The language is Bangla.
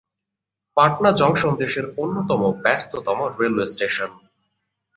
পাটনা জংশন দেশের অন্যতম ব্যস্ততম রেলওয়ে স্টেশন।